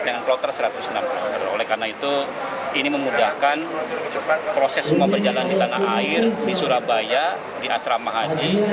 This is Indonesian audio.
dengan kloter satu ratus enam puluh oleh karena itu ini memudahkan proses semua berjalan di tanah air di surabaya di asrama haji